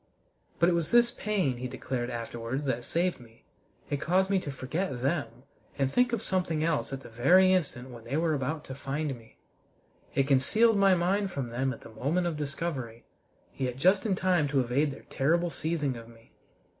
But it was this pain, he declared afterwards, that saved me: it caused me to forget them and think of something else at the very instant when they were about to find me. It concealed my mind from them at the moment of discovery, yet just in time to evade their terrible seizing of me.